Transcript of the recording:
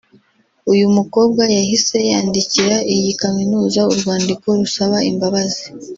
uyu mukobwa yahise yandikira iyi Kaminuza urwandiko rusaba imbabazi